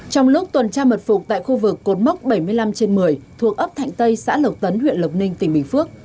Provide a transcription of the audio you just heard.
trong lúc tuần tra mật phục tại khu vực cột mốc bảy mươi năm trên một mươi thuộc ấp thạnh tây xã lộc tấn huyện lộc ninh tỉnh bình phước